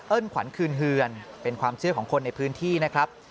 ขวัญคืนเฮือนเป็นความเชื่อของคนในพื้นที่นะครับ